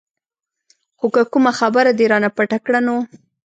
خو که کومه خبره دې رانه پټه کړه نو.